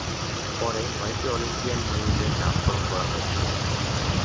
পরে, নয়টি অলিম্পিয়ান মিউজের নামকরণ করা হয়েছিল।